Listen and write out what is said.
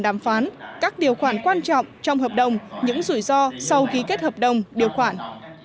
đàm phán các điều khoản quan trọng trong hợp đồng những rủi ro sau ký kết hợp đồng điều khoản